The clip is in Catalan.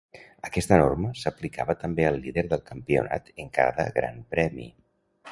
Aquesta norma s'aplicava també al líder del Campionat en cada Gran Premi.